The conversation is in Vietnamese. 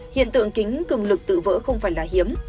hiện tượng kính cực lực tự vỡ không phải là hiếm